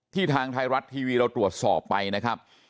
ทางไทยรัฐทีวีเราตรวจสอบไปนะครับ